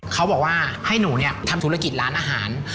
เขาบอกว่าให้หนูเนี่ยทำธุรกิจร้านอาหาร